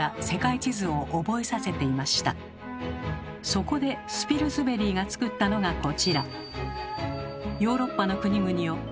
そこでスピルズベリーが作ったのがこちら。